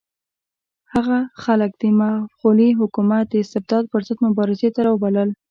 هغه خلک د مغلي حکومت د استبداد پر ضد مبارزې ته راوبلل.